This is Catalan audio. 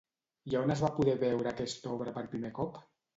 I a on es va poder veure aquesta obra per primer cop?